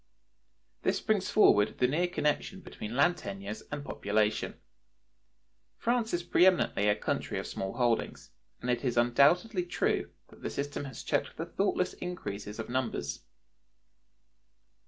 This brings forward the near connection between land tenures and population. France is pre eminently a country of small holdings, and it is undoubtedly true that the system has checked the thoughtless increase of numbers.